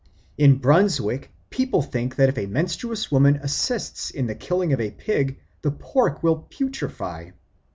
In Brunswick people think that if a menstruous woman assists at the killing of a pig, the pork will putrefy.